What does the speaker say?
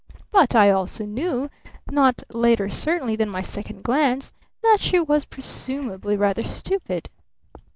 But I also knew not later certainly than my second glance that she was presumably rather stupid.